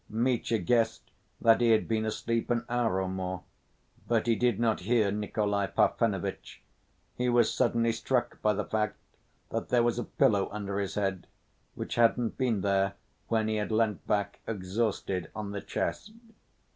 Mitya guessed that he had been asleep an hour or more, but he did not hear Nikolay Parfenovitch. He was suddenly struck by the fact that there was a pillow under his head, which hadn't been there when he had leant back, exhausted, on the chest.